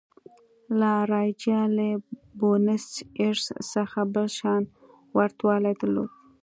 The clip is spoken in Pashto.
لا رایجا له بونیس ایرس څخه بل شان ورته والی درلود.